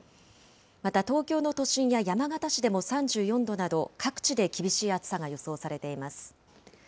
また東京の都心や山形市でも３４度など、各地で厳しい暑さが予想されています。